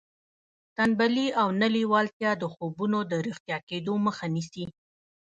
تنبلي او نه لېوالتیا د خوبونو د رښتیا کېدو مخه نیسي